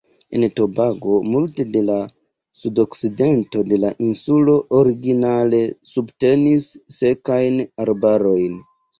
En Tobago multe de la sudokcidento de la insulo originale subtenis sekajn arbarojn.